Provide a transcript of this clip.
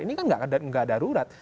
ini kan tidak ada darurat